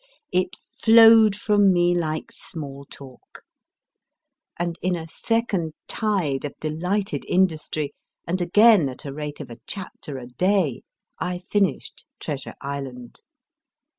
it flowed from me like small talk ; and in a second tide of delighted industry, and again at a rate of a chapter a day, I finished Treasure Island.